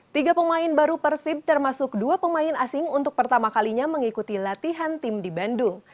tiga pemain baru persib termasuk dua pemain asing untuk pertama kalinya mengikuti latihan tim di bandung